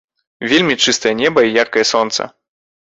Вельмі чыстае неба і яркае сонца.